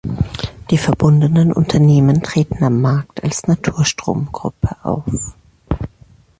Die verbundenen Unternehmen treten am Markt als Naturstrom-Gruppe auf.